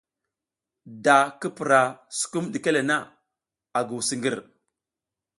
Da ki pura sukum ɗike le na, a nguw siƞgir.